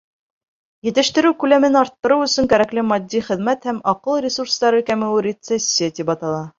Етештереү күләмен арттырыу өсөн кәрәкле матди, хеҙмәт һәм аҡыл ресурстары кәмеүе рецессия тип атала.